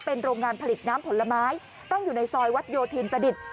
เป็นโรงงานผลิตน้ำผลไม้ตั้งอยู่ในซอยวัดโยธินประดิษฐ์